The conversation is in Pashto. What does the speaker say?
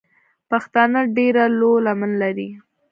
پښتانه ډېره لو لمن لري.